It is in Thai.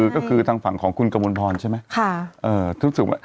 ก็คือทางฝั่งของคุณกมลพรใช่ไหม